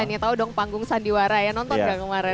ini tau dong panggung sandiwara ya nonton gak kemarin